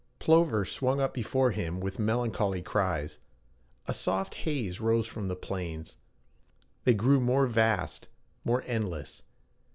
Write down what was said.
Plover swung up before him with melancholy cries. A soft haze rose from the plains. They grew more vast, more endless.